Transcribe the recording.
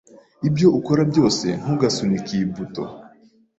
Ibyo ukora byose, ntugasunike iyi buto.